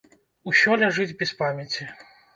Усё ляжыць без памяці.